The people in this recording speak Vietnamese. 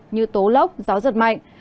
như tố lốc gió giật mạnh